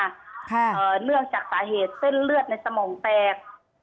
เนื่องจากประเหตุเส้นเลือดในสมองแตก